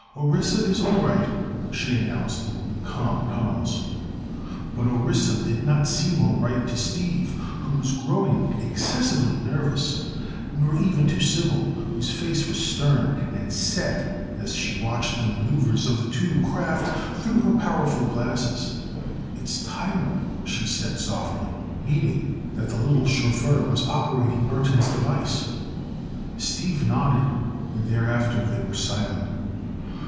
"Orissa is all right," she announced in calm tones. But Orissa did not seem all right to Steve, who was growing excessively nervous; nor even to Sybil, whose face was stern and set as she watched the maneuvers of the two craft through her powerful glasses. "It's Tyler," she said softly, meaning that the little chauffeur was operating Burthon's device. Steve nodded, and thereafter they were silent.